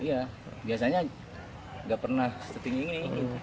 iya biasanya nggak pernah setinggi ini